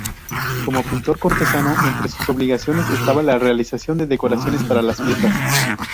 Como pintor cortesano, entre sus obligaciones estaba la realización de decoraciones para las fiestas.